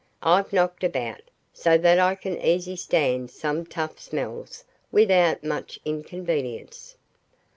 I've knocked about, so that I can easy stand some tough smells without much inconvenience."